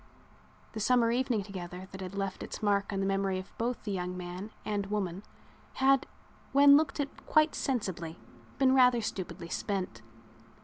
The summer evening together that had left its mark on the memory of both the young man and woman had, when looked at quite sensibly, been rather stupidly spent.